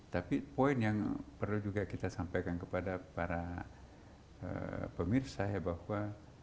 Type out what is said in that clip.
tapi poin yang perlu juga kita sampaikan kepada para pemirsa ya bahwa